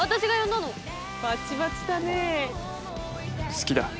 「好きだ」